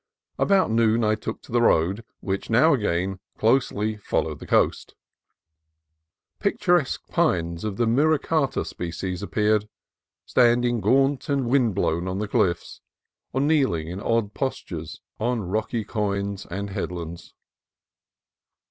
About noon I took the road, which now again closely followed the coast. Picturesque pines of the muricata species appeared, standing gaunt and wind blown on the cliffs or kneeling in odd postures on rocky coigns and headlands.